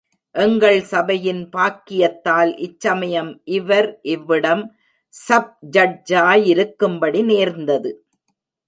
எங்கள் சபையின் பாக்கியத்தால் இச்சமயம் இவர் இவ்விடம் சப் ஜட்ஜாயிருக்கும்படி நேர்ந்தது.